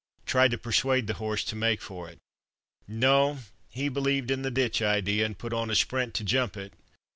Tried to persuade the horse to make for it. No, he believed in the ditch idea, and put on a sprint to jump it.